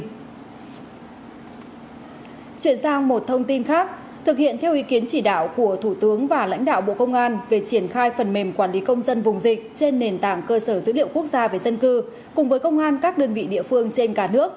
đồng chí minh đã truyền thông tin thực hiện theo ý kiến chỉ đạo của thủ tướng và lãnh đạo bộ công an về triển khai phần mềm quản lý công dân vùng dịch trên nền tảng cơ sở dữ liệu quốc gia về dân cư cùng với công an các đơn vị địa phương trên cả nước